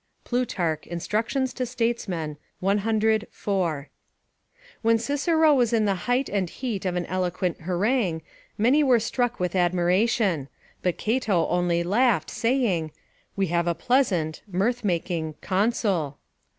[Plutarch, Instructions to Statesmen, c. 4.] When Cicero was in the height and heat of an eloquent harangue, many were struck with admiration; but Cato only laughed, saying, "We have a pleasant (mirth making) consul."